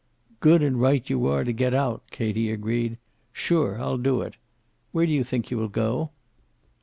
"Good and right you are to get out," Katie agreed. "Sure I'll do it. Where do you think you'll go?"